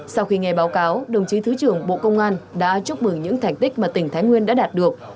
sau khi nghe báo cáo đồng chí thứ trưởng bộ công an đã chúc mừng những thành tích mà tỉnh thái nguyên đã đạt được